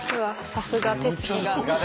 さすが手つきが。